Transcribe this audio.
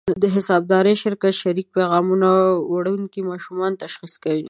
د حسابدار شرکت شریک پیغام وړونکي ماشوم تشخیص کوي.